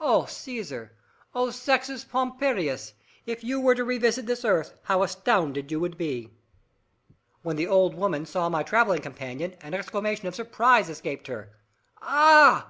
"O Caesar! O Sextus Pompeius, if you were to revisit this earth how astounded you would be!" When the old woman saw my travelling companion an exclamation of surprise escaped her. "Ah!